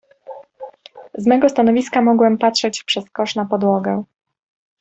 "Z mego stanowiska mogłem patrzeć przez kosz na podłogę."